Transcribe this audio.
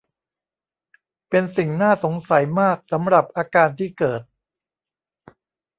เป็นสิ่งน่าสงสัยมากสำหรับอาการที่เกิด